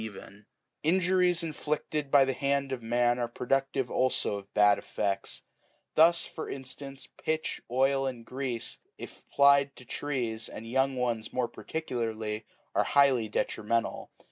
c. 46. 524 plint's natural history. [Book XVII. Injuries inflicted by the hand of man are productive also of bad effects. Thus, for instance, pitch, oil, and grease,8 if ap plied to trees, and young ones more particularly, are highly detrimental.